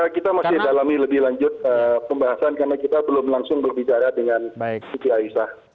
kita masih dalami lebih lanjut pembahasan karena kita belum langsung berbicara dengan siti aisyah